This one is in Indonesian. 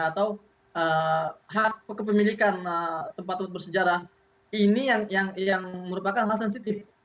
atau hak kepemilikan tempat untuk bersejarah ini yang merupakan hal sensitif